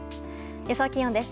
予想気温です。